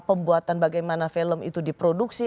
pembuatan bagaimana film itu diproduksi